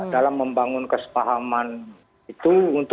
dalam membangun kesepahaman itu